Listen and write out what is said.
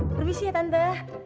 provisi ya tante